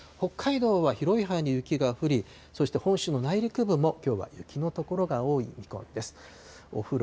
北海道は広い範囲で雪が降り、そして本州の内陸部もきょうは雪の所が多い見込みです。